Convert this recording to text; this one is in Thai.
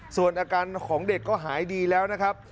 ส่วนอาการของเด็กก็หายดีแล้วนะครับ